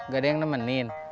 gak ada yang nemenin